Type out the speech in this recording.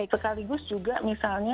sekaligus juga misalnya